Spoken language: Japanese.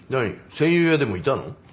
占有屋でもいたの？